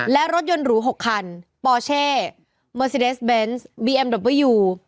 และรถยนต์หรู๖คันปอเช่เมอร์ซีเดสเบนส์บีเอ็มดับเบอร์ยู